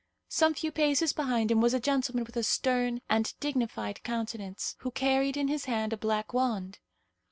Some few paces behind him was a gentleman with a stern and dignified countenance, who carried in his hand a black wand.